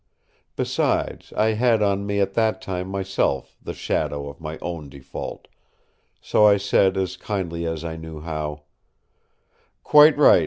Besides, I had on me at that time myself the shadow of my own default; so I said as kindly as I knew how: "Quite right!